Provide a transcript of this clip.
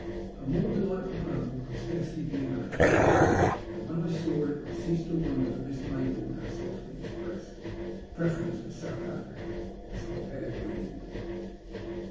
A more delightful home could scarcely be imagined; and when I saw it, I ceased to wonder that Miss Maybourne had so often expressed a preference for South Africa as compared with England.